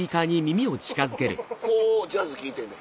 こうジャズ聴いてんの。